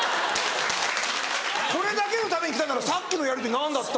これだけのために来たんならさっきのやりとり何だった？